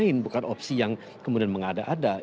ini merupakan opsi yang saya rasa bukan opsi masyarakat